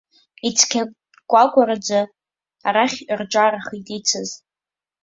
Ицқьакәакәараӡа арахь рҿаархеит ицыз.